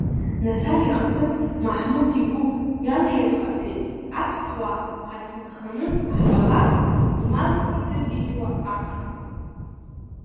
Насар ихаԥыц Маҳмуҭ игәы иалаирҟацеит, аԥсуаа ҳарцәынханы ҳҟалар, умал исыргьежьуа абжа…